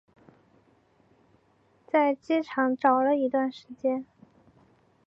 在机场找了一段时间